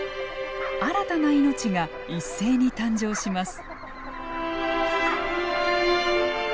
新たな命が一斉に誕生します。